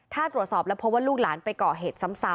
ถ้าตรวจสอบแล้วพบว่าลูกหลานไปก่อเหตุซ้ำ